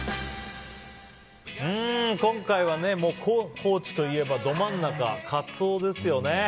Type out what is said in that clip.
今回は、高知といえばど真ん中カツオですよね。